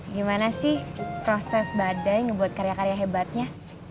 gimana sih proses badai ngebuat karya karya hebatnya